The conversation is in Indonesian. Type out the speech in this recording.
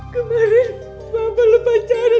kemarin bapak lo pacaran